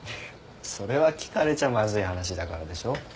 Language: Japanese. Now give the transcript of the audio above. それは聞かれちゃまずい話だからでしょ？